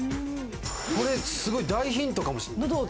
これすごい大ヒントかもしれない。